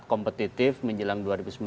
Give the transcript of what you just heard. kompetitif menjelang dua ribu sembilan belas